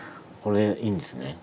これでいいんですね？